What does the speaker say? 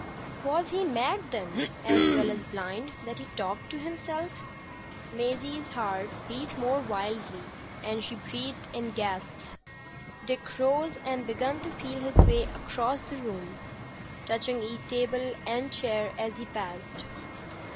Was he mad, then, as well as blind, that he talked to himself? Maisie's heart beat more wildly, and she breathed in gasps. Dick rose and began to feel his way across the room, touching each table and chair as he passed.